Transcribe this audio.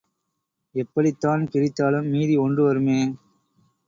எப்படித்தான் பிரித்தாலும், மீதி ஒன்று வருமே!